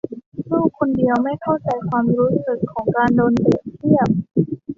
ลูกคนเดียวไม่เข้าใจความรู้สึกของการโดนเปรียบเทียบ